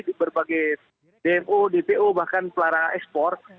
di berbagai dmo dpo bahkan pelarang ekspor